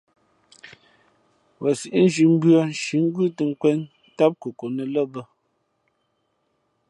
Wen síʼ nzhī mbʉ̄ᾱ nshǐ ngʉ́ tᾱ^nkwēn ntám kokonet lά bᾱ.